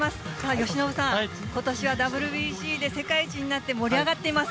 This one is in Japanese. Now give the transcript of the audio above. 由伸さん、ことしはＷＢＣで世界一になって、盛り上がっています。